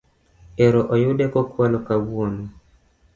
Ero oyude kokwalo kawuono